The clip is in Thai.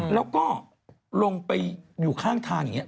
แล้วก็ลงไปอยู่ข้างทางอย่างนี้